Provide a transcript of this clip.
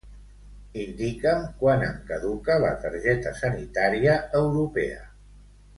Indica'm quan em caduca la targeta sanitària europea.